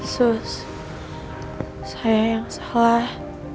sus saya yang salah